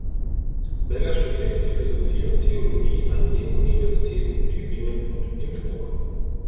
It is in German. Beller studierte Philosophie und Theologie an den Universitäten Tübingen und Innsbruck.